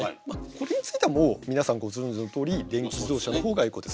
これについてはもう皆さんご存じのとおり電気自動車の方がエコです。